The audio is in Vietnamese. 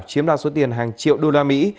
chiếm đoạt số tiền hàng triệu đô la mỹ